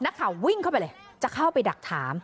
นักข่าววิ่งเข้าไปเลยจะเข้าไปดักถาม